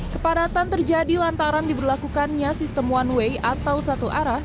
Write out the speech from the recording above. kepadatan terjadi lantaran diberlakukannya sistem one way atau satu arah